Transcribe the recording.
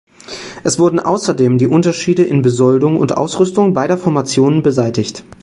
Es wurden außerdem die Unterschiede in Besoldung und Ausrüstung beider Formationen beseitigt.